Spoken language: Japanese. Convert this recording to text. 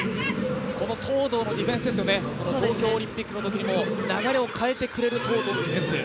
この東藤のディフェンスですよね、東京オリンピックのときにも流れを変えてくれる東藤のディフェンス。